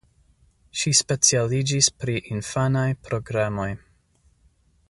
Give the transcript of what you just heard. Ŝi specialiĝis pri infanaj programoj.